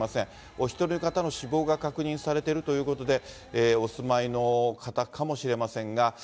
お一人の方の死亡が確認されてるということで、お住まいの方かもしれませんが。